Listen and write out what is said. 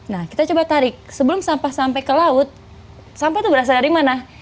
nah kita coba tarik sebelum sampah sampai ke laut sampah itu berasal dari mana